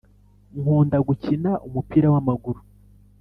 Nkunda gukina umupira wamaguru